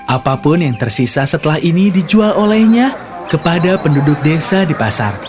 apapun yang tersisa setelah ini dijual olehnya kepada penduduk desa di pasar